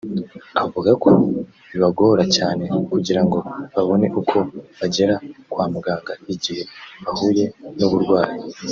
avuga ko bibagora cyane kugirango babone uko bagera kwa muganga igihe bahuye n’uburwayi